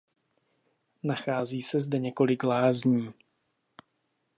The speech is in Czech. Nachází se zde několik lázní.